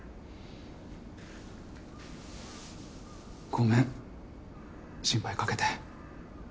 ごめん心配かけて。